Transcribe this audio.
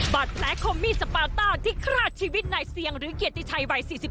บาดแผลคมมีดสปาต้าที่คราดชีวิตนายเซียงหรือเกียรติชัยวัย๔๗